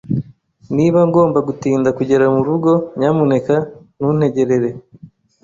Niba ngomba gutinda kugera murugo, nyamuneka ntuntegere.